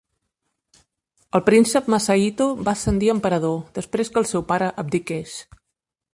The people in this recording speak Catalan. El príncep Masahito va ascendir a emperador, després que el seu pare abdiqués.